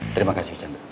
terima kasih chandra